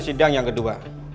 sidang yang kedua